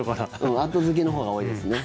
後付けのほうが多いです。